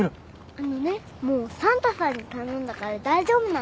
あのねもうサンタさんに頼んだから大丈夫なの。